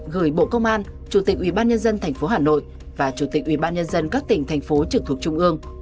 gửi bộ công an chủ tịch ubnd tp hà nội và chủ tịch ubnd các tỉnh thành phố trực thuộc trung ương